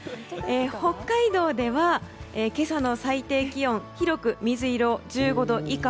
北海道では今朝の最低気温広く水色１５度以下。